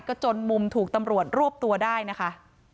ก็จนมุมถูกตำรวจรวบตัวได้นะคะ